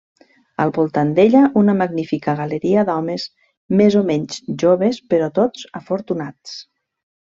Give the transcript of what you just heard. Al voltant d'ella, una magnífica galeria d'homes, més o menys joves però tots afortunats.